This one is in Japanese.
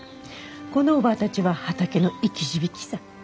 このおばぁたちは畑の生き字引さ。